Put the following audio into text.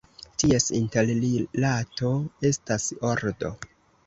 Ties interrilato estas ordo.